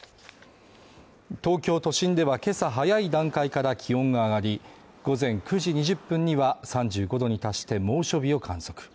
東京都心では今朝早い段階から気温が上がり、午前９時２０分には３５度に達して猛暑日を観測。